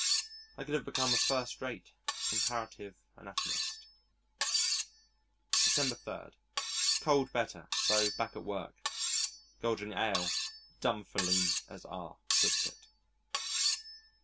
I could have become a first rate comparative anatomist. December 3. Cold better. So back at work gauging ale at Dunfermline as R puts it.